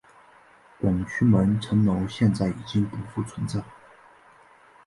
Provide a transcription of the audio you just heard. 广渠门城楼现在已经不复存在。